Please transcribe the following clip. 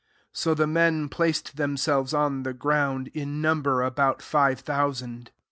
[^o] the men placed themselves on the ground, in number about five thousand.